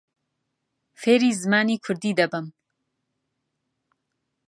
فێری زمانی کوردی دەبم.